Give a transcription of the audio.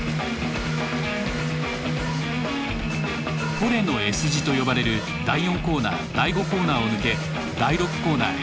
「フォレのＳ字」と呼ばれる第４コーナー第５コーナーを抜け第６コーナーへ。